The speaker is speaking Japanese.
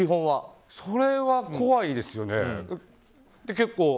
それは怖いですよね。